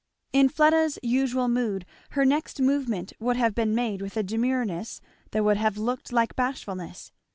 In Fleda's usual mood her next movement would have been made with a demureness that would have looked like bashfulness.